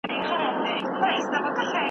په ښوونځي کې ګډوډي نشته.